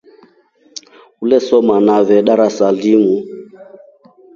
Ulesoma nafe darasa limu.